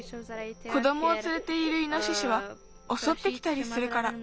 子どもをつれているイノシシはおそってきたりするから。